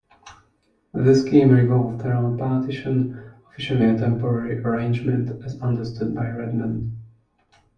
The scheme revolved around partition, officially a temporary arrangement, as understood by Redmond.